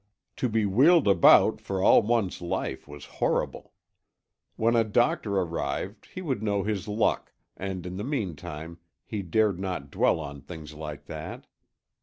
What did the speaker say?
To be wheeled about for all one's life was horrible. When a doctor arrived he would know his luck, and in the meantime he dared not dwell on things like that.